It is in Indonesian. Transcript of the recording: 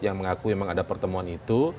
yang mengakui memang ada pertemuan itu